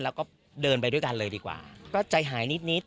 แล้วก็เดินไปด้วยกันเลยดีกว่าก็ใจหายนิดนิด